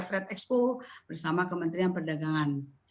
trade expo bersama kementerian perdagangan